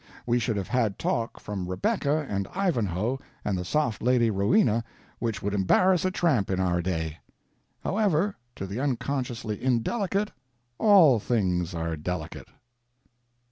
We should have had talk from Rebecca and Ivanhoe and the soft lady Rowena which would embarrass a tramp in our day. However, to the unconsciously indelicate all things are delicate."